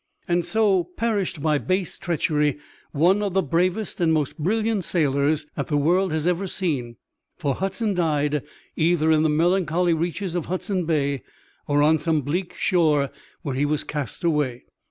And so perished by base treachery one of the bravest and most brilliant sailors that the world has ever seen, for Hudson died either in the melancholy reaches of Hudson Bay or on some bleak shore where he was cast away.